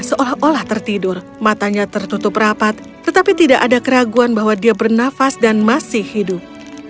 seolah olah tertidur matanya tertutup rapat tetapi tidak ada keraguan bahwa dia bernafas dan masih hidup